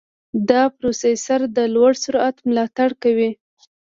دا پروسېسر د لوړ سرعت ملاتړ کوي.